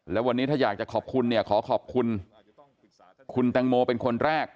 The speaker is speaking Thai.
แล้ววันนี้ถ้าอยากจะขอบคุณเนี่ยขอขอบคุณคุณแตงโมเป็นคนแรก